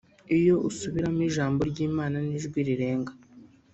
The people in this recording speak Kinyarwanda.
iyo usubiramo ijambo ry’Imana n’ijwi rirenga